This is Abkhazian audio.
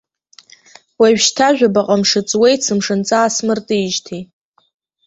Уажәшьҭа жәабаҟа мшы ҵуеит сымшынҵа аасмыртижьҭеи.